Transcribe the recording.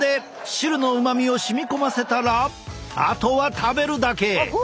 汁のうまみを染み込ませたらあとは食べるだけ！